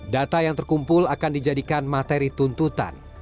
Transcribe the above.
data yang terkumpul akan dijadikan materi tuntutan